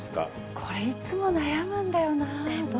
これ、いつも悩むんだよなぁ。